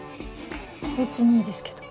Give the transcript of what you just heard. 別にいいですけど。